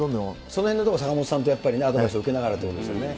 そのへんのところ、坂本さんのアドバイスを受けながらということですね。